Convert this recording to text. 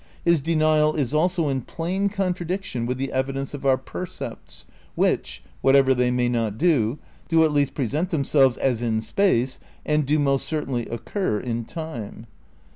His denial is also in plain contradiction with the evi dence of our percepts, which (whatever they may not do) do at least present themselves as in space and do most certainly occur in time.